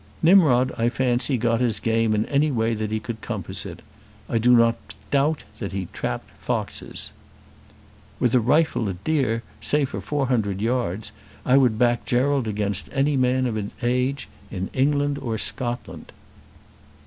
"Nimrod I fancy got his game in any way that he could compass it. I do not doubt but that he trapped foxes." "With a rifle at deer, say for four hundred yards, I would back Gerald against any man of his age in England or Scotland."